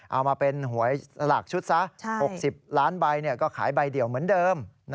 เอามาเป็นหวยสลากชุดซะ๖๐ล้านใบก็ขายใบเดียวเหมือนเดิม